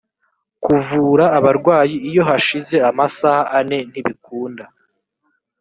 kuvura abarwayi iyo hashize amasaha ane ntibikunda